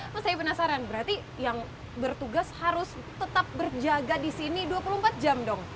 mas saya penasaran berarti yang bertugas harus tetap berjaga di sini dua puluh empat jam dong